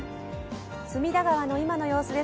隅田川の今の様子です。